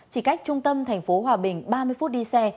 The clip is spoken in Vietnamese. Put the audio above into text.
chỉ cách trung tâm thành phố hòa bình ba mươi phút đi xe